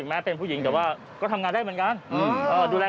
ครับกับผู้สมัครที่มีแบบเยอะแยะมากมายหลายคนแบบมีคนรู้จักอยู่แล้ว